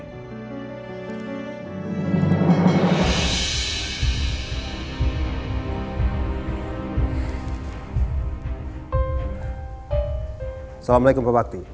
assalamualaikum pak bakti